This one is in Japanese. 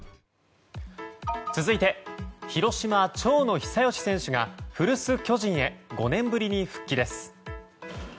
続いて広島、長野久義選手が古巣・巨人へ５年ぶりに復帰です。